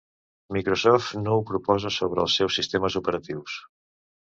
Microsoft no ho proposa sobre els seus sistemes operatius.